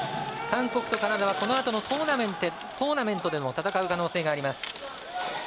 韓国とカナダはこのあとのトーナメントでも戦う可能性があります。